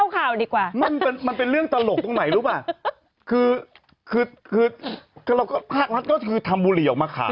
คือภาครัฐก็คือทำบุหรี่ออกมาขาย